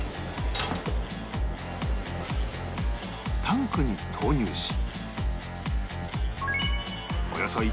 タンクに投入し